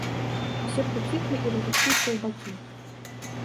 Усе прыціхлі і разышліся ў бакі.